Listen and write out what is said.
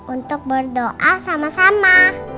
untuk berdoa sama sama